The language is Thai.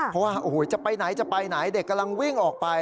เพราะว่าจะไปไหนเด็กกำลังวิ่งออกไป